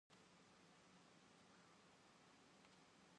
Maukah Anda bergabung dengan saya?